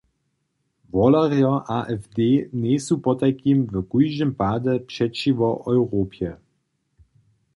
Wolerjo AfD njejsu potajkim w kóždym padźe přećiwo Europje.